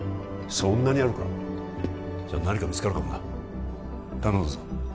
そんなにあるかじゃあ何か見つかるかもな頼んだぞ